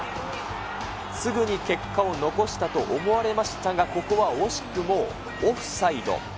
すぐに結果を残したと思われましたが、ここは惜しくもオフサイド。